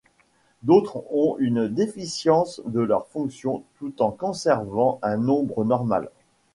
D'autres ont une déficience de leur fonction tout en conservant un nombre normal.